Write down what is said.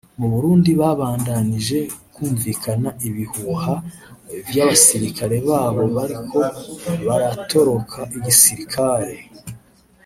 Mu Burundi habandanije kwumvikana ibihuha vy'abasirikare boba bariko baratoroka igisirikare